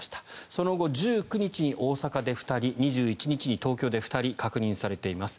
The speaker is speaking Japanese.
その後１９日に大阪で２人２１日に東京で２人確認されています。